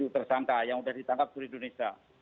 empat puluh tujuh tersangka yang sudah ditangkap dari indonesia